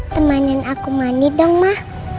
temanin aku mandi dong mak